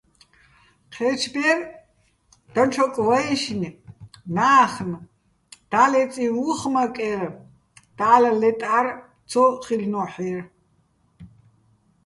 ჴეჩბერ დაჩოკ ვაჲშნ - ნა́ხნ - და́ლეწიჼ უ̂ხ მაკერ, და́ლ ლე́ტარ ცო ხილ'ნო́ჰ̦ერ.